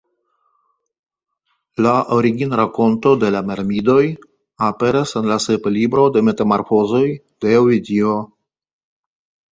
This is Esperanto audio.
La originrakonto de la Mirmidoj aperas en la sepa libro de metamorfozoj de Ovidio.